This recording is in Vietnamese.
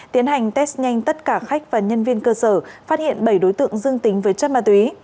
tiến hành test nhanh tất cả khách và nhân viên cơ sở phát hiện bảy đối tượng dương tính với chất ma túy